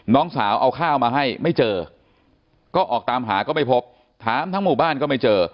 น้องสาวเอาข้าวมาให้ไม่เจอก็ออกตามหาก็ไม่พบถามทั้งหมู่บ้านก็ไม่เจอ